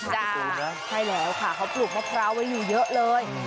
ใช่แล้วค่ะเขาปลูกมะพร้าวไว้อยู่เยอะเลย